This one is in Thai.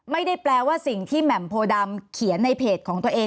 ไม่ได้แปลว่าสิ่งที่แหม่มโพดำเขียนในเพจของตัวเอง